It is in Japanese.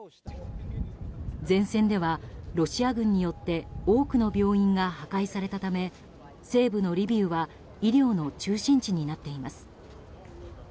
前線ではロシア軍によって多くの病院が破壊されたため西部のリビウは医療の中心地になっています。